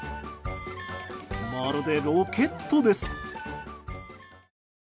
まるでロケットです。